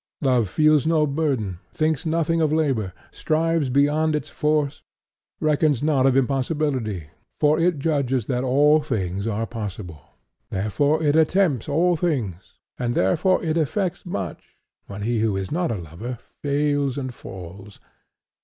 Love feels no burden, thinks nothing of labor, strives beyond its force, reckons not of impossibility, for it judges that all things are possible. Therefore it attempts all things, and therefore it effects much when he who is not a lover fails and falls....